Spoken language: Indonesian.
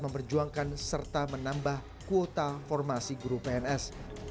memperjuangkan serta menambah kuota formasi guru pns